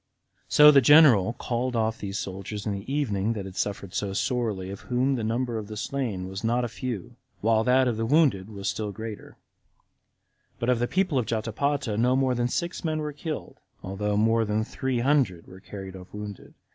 So the general called off those soldiers in the evening that had suffered so sorely, of whom the number of the slain was not a few, while that of the wounded was still greater; but of the people of Jotapata no more than six men were killed, although more than three hundred were carried off wounded.